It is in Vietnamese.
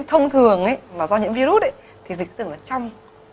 thông thường do những virus thì dịch tưởng là trong